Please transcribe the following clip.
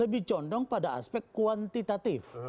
lebih condong pada aspek kuantitatif